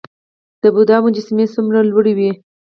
د بودا مجسمې څومره لوړې وې؟